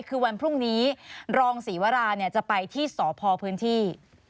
คือวันพรุ่งนี้รองศรีวราจะไปที่สพพื้นที่